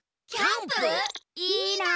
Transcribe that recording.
いいな。